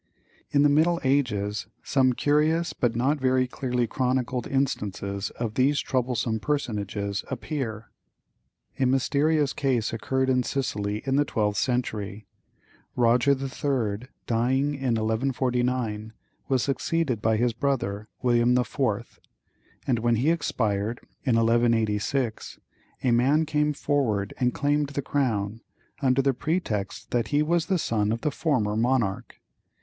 In the middle ages some curious but not very clearly chronicled instances of these troublesome personages appear. A mysterious case occurred in Sicily in the twelfth century. Roger the Third, dying in 1149, was succeeded by his brother, William the Fourth; and when he expired, in 1186, a man came forward and claimed the crown, under the pretext that he was son of the former monarch.